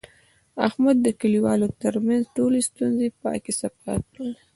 احمد د کلیوالو ترمنځ ټولې ستونزې پاکې صفا کړلې.